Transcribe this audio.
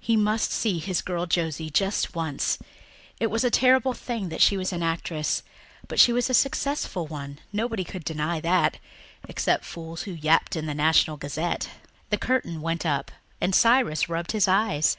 He must see his girl Josie just once; it was a terrible thing that she was an actress, but she was a successful one, nobody could deny that, except fools who yapped in the National Gazette. The curtain went up and Cyrus rubbed his eyes.